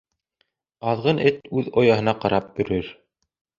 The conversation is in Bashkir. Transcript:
Аҙғын эт үҙ ояһына ҡарап өрөр.